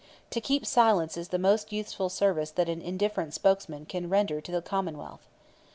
To keep silence is the most useful service that an indifferent spokesman can render to the commonwealth.